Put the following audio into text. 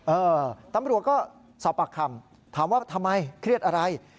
เออตำรวจก็สอบปากคำถามว่าทำไมเครียดอะไร